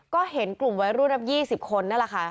ก็เห็นกลุ่มวัยรุ่นนับ๒๐คนนั่นแหละค่ะ